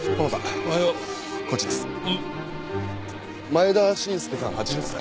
前田伸介さん８０歳。